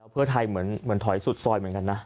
เพื่อไทยเหมือนถอยสุดซอยเหมือนกันนะ